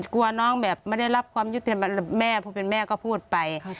กลัวน้องแบบไม่ได้รับความยุติธรรมแม่ผู้เป็นแม่ก็พูดไป